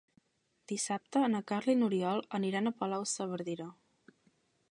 Dissabte na Carla i n'Oriol aniran a Palau-saverdera.